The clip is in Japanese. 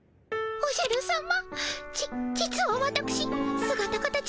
おじゃるさま。